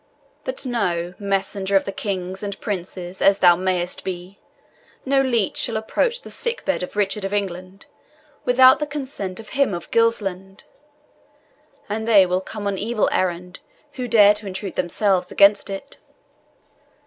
"But know, messenger of the kings and princes as thou mayest be, no leech shall approach the sick bed of Richard of England without the consent of him of Gilsland; and they will come on evil errand who dare to intrude themselves against it."